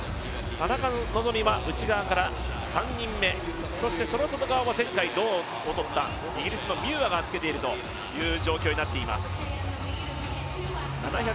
田中希実は内側から３人目、その外側は前回銅を取ったイギリスのミューアがつけているという状況になっています。